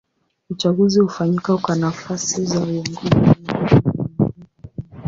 Uchaguzi hufanyika kwa nafasi za uongozi au nafasi za mamlaka fulani.